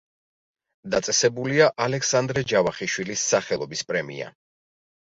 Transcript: დაწესებულია ალექსანდრე ჯავახიშვილის სახელობის პრემია.